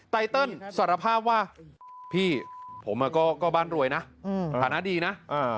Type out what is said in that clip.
ไตเติลสารภาพว่าพี่ผมอ่ะก็ก็บ้านรวยน่ะอืมฐานะดีน่ะอ่า